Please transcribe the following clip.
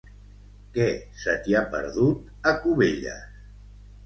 Què se t'hi ha perdut, a Cubelles?